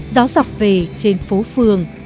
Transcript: gió dọc về trên phố phường